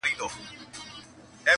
دا حالت د هغې رواني ماتې ژور انځور دی-